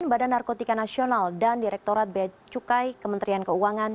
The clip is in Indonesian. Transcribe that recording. badan narkotika nasional dan direkturat becukai kementerian keuangan